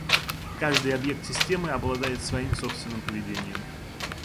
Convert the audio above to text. Каждый объект системы обладает своим собственным поведением